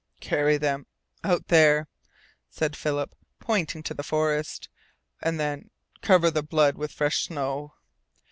"Carry them out there," said Philip, pointing into the forest. "And then cover the blood with fresh snow."